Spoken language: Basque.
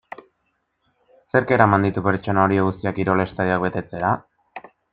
Zerk eraman ditu pertsona horiek guztiak kirol estadioak betetzera?